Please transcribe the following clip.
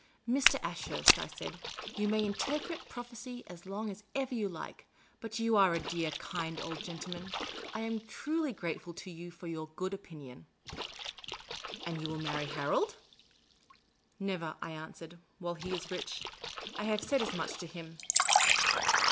" Mr. Ashurst," I said, " you may interpret prophecy as long as ever you like, but you are a dear, kind old gentleman. I am truly grateful to you for your good opinion." " And you will marry Harold ?"" Never," I answered ;" while he is rich. I have said as much to him."